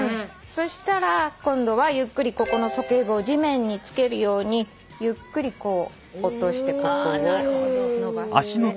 そしたら今度はゆっくりここの鼠径部を地面につけるようにゆっくり落としてここを伸ばしていきます。